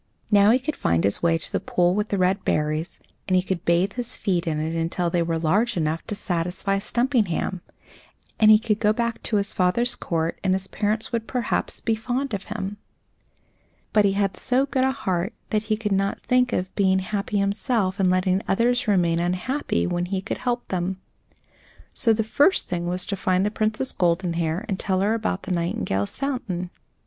Now he could find his way to the pool with the red berries, and he could bathe his feet in it until they were large enough to satisfy Stumpinghame; and he could go back to his father's court, and his parents would perhaps; be fond of him. But he had so good a heart that he could not think of being happy himself and letting others remain unhappy, when he could help them. So the first thing was to find the Princess Goldenhair and tell her about the nightingales' fountain.